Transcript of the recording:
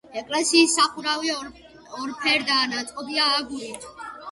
ეკლესიის სახურავი ორფერდაა, ნაწყობია აგურით.